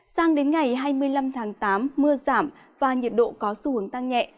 sang đến ngày hai mươi năm tháng tám mưa giảm và nhiệt độ có xu hướng tăng nhẹ